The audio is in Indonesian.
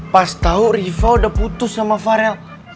pas tau riva udah putus sama farel